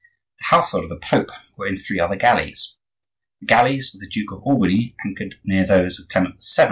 The household of the Pope were in three other galleys. The galleys of the Duke of Albany, anchored near those of Clement VII.